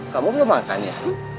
kamu belum makan ya